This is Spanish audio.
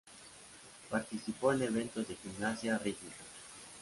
Participó en eventos de gimnasia rítmica.